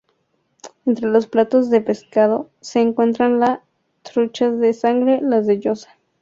Entre los platos de pescado se encuentran las truchas de Segre, las de llosa.